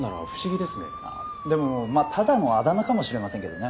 でもただのあだ名かもしれませんけどね。